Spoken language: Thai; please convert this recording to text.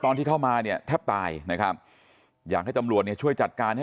ตอนที่เข้ามาเนี่ยแทบตายนะครับอยากให้ตำรวจเนี่ยช่วยจัดการให้